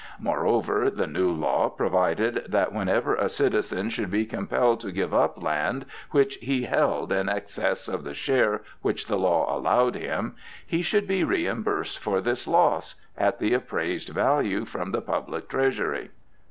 Moreover, the new law provided that, whenever a citizen should be compelled to give up land which he held in excess of the share which the law allowed him, he should be reimbursed for this loss, at the appraised value, from the public treasury.